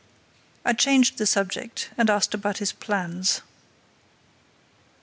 I changed the subject, and asked about his plans.